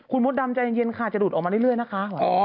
คุณมดดำใจเย็นค่ะจะหลุดออกมาเรื่อยนะคะ